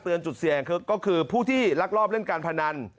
จุดเสี่ยงก็คือผู้ที่ลักลอบเล่นการพนัน